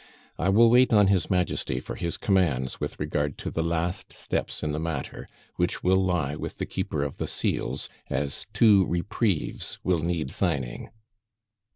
"I will wait on His Majesty for his commands with regard to the last steps in the matter, which will lie with the Keeper of the Seals, as two reprieves will need signing."